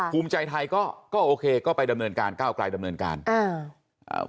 ภูมิใจไทยก็ก็โอเคก็ไปดำเนินการก้าวไกลดำเนินการอ่าอ่า